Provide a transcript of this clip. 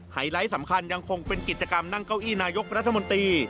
ไลท์สำคัญยังคงเป็นกิจกรรมนั่งเก้าอี้นายกรัฐมนตรี